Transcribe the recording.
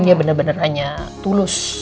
dia benar benar hanya tulus